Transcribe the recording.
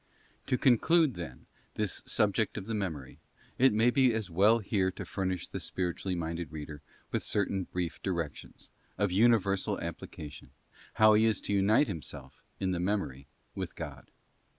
Reoapitula To conclude, then, this subject of the Memory, it may be as well here to furnish the spiritually minded reader with certain brief directions, of universal application, how he is to unite himself, in the memory, with God.